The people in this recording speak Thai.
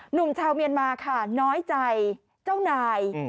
หนุ่มชาวเมียนมาค่ะน้อยใจเจ้านาย